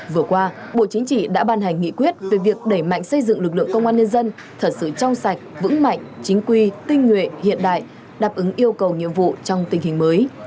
vừa qua bộ chính trị đã ban hành nghị quyết về việc đẩy mạnh xây dựng lực lượng công an nhân dân thật sự trong sạch vững mạnh chính quy tinh nguyện hiện đại đáp ứng yêu cầu nhiệm vụ trong tình hình mới